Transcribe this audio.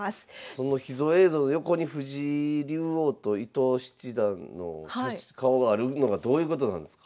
その秘蔵映像の横に藤井竜王と伊藤七段の顔があるのがどういうことなんですか？